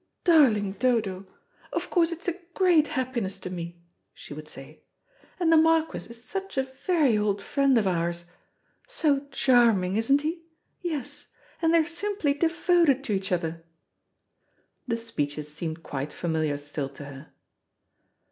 "Darling Dodo, of course it's a great happiness to me," she would say, "and the Marquis is such a very old friend of ours. So charming, isn't he? Yes. And they are simply devoted to each other." The speeches seemed quite familiar still to her.